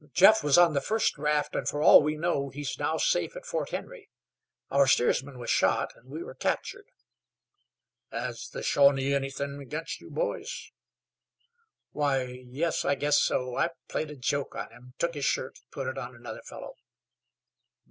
"Jeff was on the first raft, and for all we know he is now safe at Fort Henry. Our steersman was shot, and we were captured." "Has the Shawnee anythin' ag'inst you boys?" "Why, yes, I guess so. I played a joke on him took his shirt and put it on another fellow."